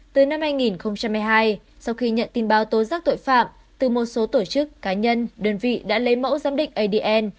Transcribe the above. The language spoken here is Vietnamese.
từ năm hai nghìn một mươi hai sau khi nhận tin báo tố giác tội phạm từ một số tổ chức cá nhân đơn vị đã lấy mẫu giám định adn